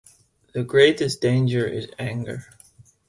The greatest danger is anger.